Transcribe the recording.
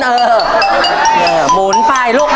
เออหมุนไปลูก